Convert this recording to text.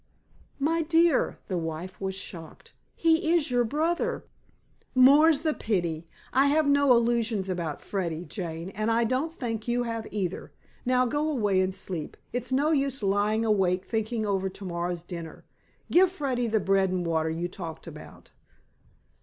"My dear," the wife was shocked, "he is your brother." "More's the pity. I have no illusions about Freddy, Jane, and I don't think you have either. Now, go away and sleep. It's no use lying awake thinking over to morrow's dinner. Give Freddy the bread and water you talked about."